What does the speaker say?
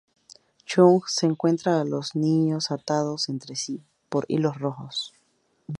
Chung, encuentra a los dos niños atados entre sí por hilos rojos.